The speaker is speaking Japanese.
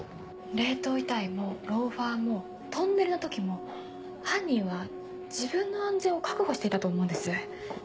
冷凍遺体もローファーもトンネルの時も犯人は自分の安全を確保していたと思うんです。